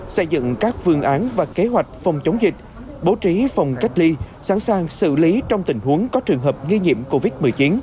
xây dựng các phương án và kế hoạch phòng chống dịch bố trí phòng cách ly sẵn sàng xử lý trong tình huống có trường hợp nghi nhiễm covid một mươi chín